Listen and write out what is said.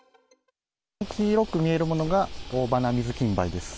黄色く見えるものが、オオバナミズキンバイです。